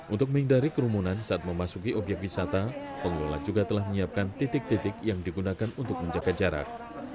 untuk menghindari kerumunan saat memasuki obyek wisata pengelola juga telah menyiapkan titik titik yang digunakan untuk menjaga jarak